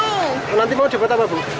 nanti mau dapat apa bu